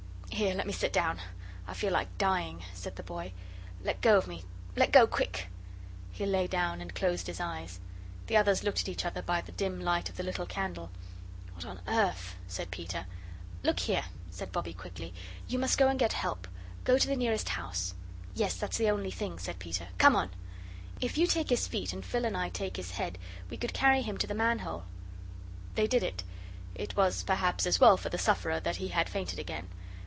"Here, let me sit down. I feel like dying," said the boy. "Let go of me let go, quick " He lay down and closed his eyes. The others looked at each other by the dim light of the little candle. "What on earth!" said Peter. "Look here," said Bobbie, quickly, "you must go and get help. Go to the nearest house." "Yes, that's the only thing," said Peter. "Come on." "If you take his feet and Phil and I take his head, we could carry him to the manhole." They did it. It was perhaps as well for the sufferer that he had fainted again.